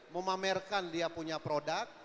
memamerkan dia punya produk